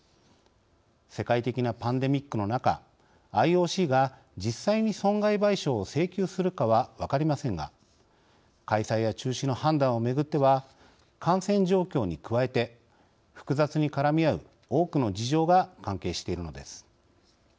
世界的なパンデミックの中ＩＯＣが実際に損害賠償を請求するかは分かりませんが開催や中止の判断をめぐっては感染状況に加えて複雑に絡み合う多くの事情が関係しているのです。